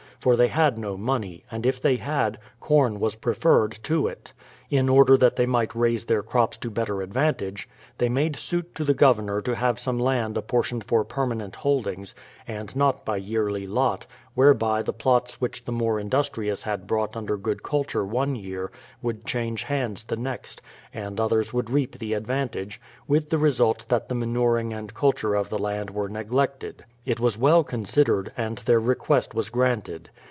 for they had no money, and if they had, corn was preferred to it. In order that they might raise their crops to better advantage, they made suit to the Governor to have some land appor tioned for permanent holdings, and not by yearly lot, whereby the plots which the more industrious had brought under good culture one year, would change hands the next, and others would reap the advantage; with the result that the manuring and culture of the land were neglected. It was well considered, and their request was granted.